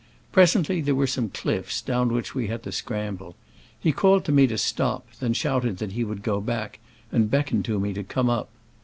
Presently there were some cliffs, down which we had to scramble. He called to me to stop, then shouted that he would go back, and beckoned to me to come up.